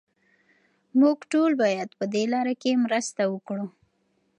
موږ ټول باید پهدې لاره کې مرسته وکړو.